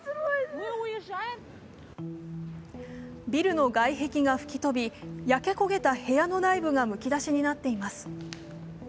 ビルの外壁が吹き飛び、焼け焦げた部屋の内部がむき出しになっています。